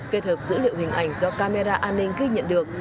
kết hợp dữ liệu hình ảnh do camera an ninh ghi nhận được